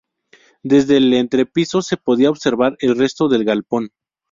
Desde el entrepiso se podía observar el resto del galpón.